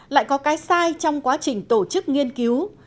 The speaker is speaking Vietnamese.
lại có cái sai trong quá trình tổ chức nghiên cứu